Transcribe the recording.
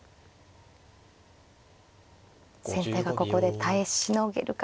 先手がここで耐えしのげるかどうか。